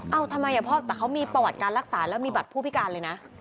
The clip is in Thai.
ทำไมพ่อแต่เขามีประวัติการรักษาแล้วมีบัตรผู้พิการเลยนะ